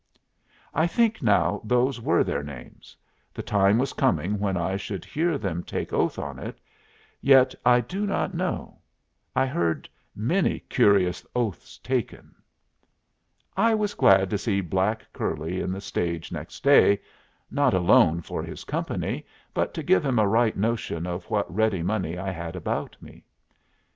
I think now those were their names the time was coming when I should hear them take oath on it yet I do not know. I heard many curious oaths taken. I was glad to see black curly in the stage next day, not alone for his company, but to give him a right notion of what ready money I had about me.